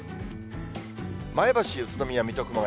前橋、宇都宮、水戸、熊谷。